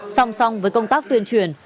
song song với công tác tuyên truyền